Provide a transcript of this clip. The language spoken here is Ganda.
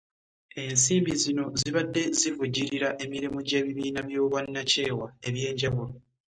Ensimbi zino zibadde zivujjirira emirimu gy'ebibiina by'obwannakyewa ebyenjawulo